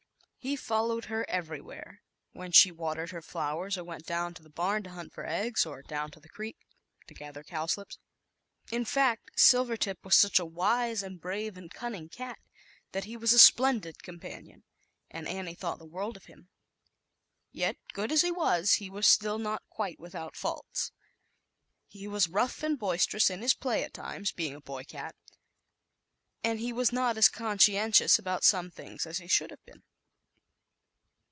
He followed her everywhere. When she watered her flowers, or went to the barn to hunt for eggs, or down to the creek to gather cowslips. In fact, Sil vertip was such a wise and brave and cunning cat, that he was a splendid com panion, and Annie thought the world of him. Yet, good as he was, he was still not quite without faults. ^~"""" He was rough and boisterous in his play at times, being a boy cat, and he ZAUBERLINDA, THE WISE WITCH. was not as conscientious about some things as he should have been.